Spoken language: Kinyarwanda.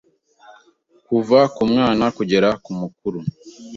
Kuva ku mwana kugera ku mukuru,